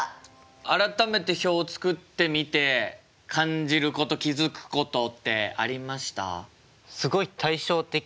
改めて表を作ってみて感じること気付くことってありました？